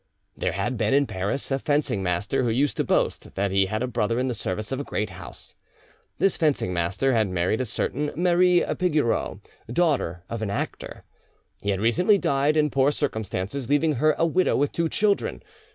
There had been in Paris a fencing master who used to boast that he had a brother in the service of a great house. This fencing master had married a certain Marie Pigoreau, daughter of an actor. He had recently died in poor circumstances, leaving her a widow with two children.